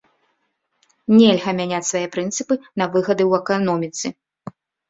Нельга мяняць свае прынцыпы на выгады ў эканоміцы.